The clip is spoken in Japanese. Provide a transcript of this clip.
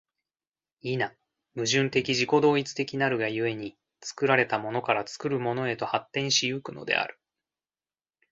否、矛盾的自己同一的なるが故に、作られたものから作るものへと発展し行くのである。